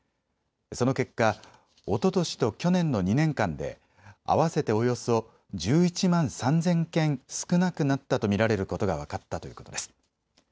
その結果、おととしと去年の２年間で合わせておよそ１１万３０００件少なくなったと見られることが分かったということです。